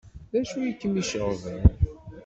D acu ay kem-iceɣben?